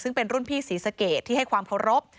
ซึ่งเป็นรุ่นพี่ศรีสะเกดที่ให้ความเคารพ